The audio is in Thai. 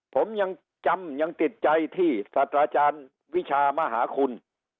ผมยังจำยังติดใจที่ศาสตราจารย์วิชามหาคุณ